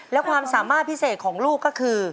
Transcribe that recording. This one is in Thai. และความสามารถพิเศษของลูกก็คือ